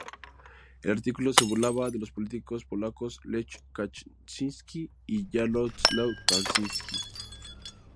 El artículo se burlaba de los políticos polacos Lech Kaczyński y Jarosław Kaczyński.